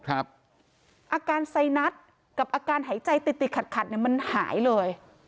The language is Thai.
อาการไซนัสกับอาการหายใจติดขัดมันหายเลย